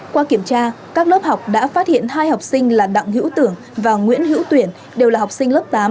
qua kiểm tra các lớp học đã phát hiện hai học sinh là đặng hữu tưởng và nguyễn hữu tuyển đều là học sinh lớp tám